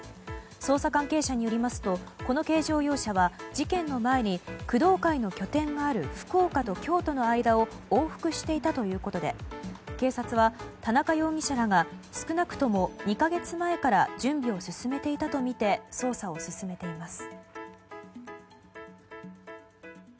捜査関係者によりますとこの軽乗用車は事件の前に工藤会の拠点がある福岡と京都の間を往復していたということで警察は田中容疑者らが少なくとも２か月前から準備を進めていたものとみて捜査を進めています。